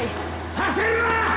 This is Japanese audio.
させるな！